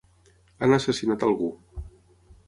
Han assassinat algú.